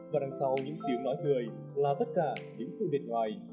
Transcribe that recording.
và đằng sau những tiếng nói cười là tất cả những sự biệt ngoài